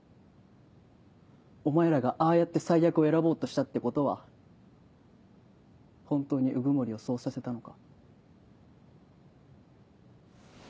お前らがああやって「最悪」を選ぼうとしたってことは本当に鵜久森をそうさせたのか？